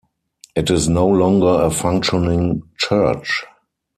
It is no longer a functioning church.